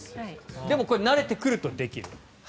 でも、慣れてくるとできる。